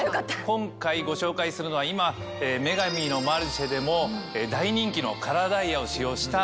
今回ご紹介するのは今『女神のマルシェ』でも大人気のカラーダイヤを使用した。